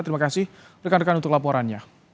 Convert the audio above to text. terima kasih rekan rekan untuk laporannya